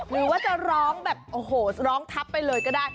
หรือว่าจะร้องแบบโอ้โหร้องทับไปเลยก็ได้